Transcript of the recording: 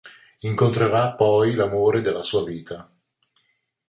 Incontrerà poi l'amore della sua vita.